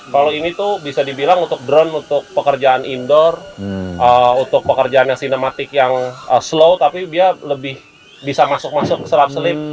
kalau ini tuh bisa dibilang untuk drone untuk pekerjaan indoor untuk pekerjaan yang sinematik yang slow tapi dia lebih bisa masuk masuk serap selip